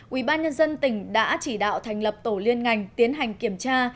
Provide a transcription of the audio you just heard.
ủy ban nhân dân tỉnh đã chỉ đạo thành lập tổ liên ngành tiến hành kiểm tra